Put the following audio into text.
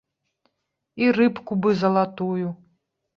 І рыбку бы залатую.